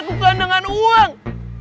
harus dilakukan dengan uang